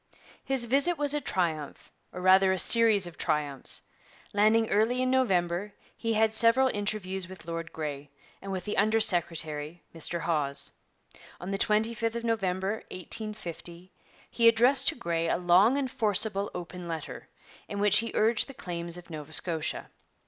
His visit was a triumph, or rather a series of triumphs. Landing early in November, he had several interviews with Lord Grey, and with the under secretary, Mr Hawes. On the 25th of November 1850 he addressed to Grey a long and forcible open letter, in which he urged the claims of Nova Scotia.